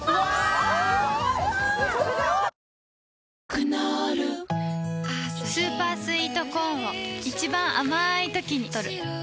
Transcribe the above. クノールスーパースイートコーンを一番あまいときにとる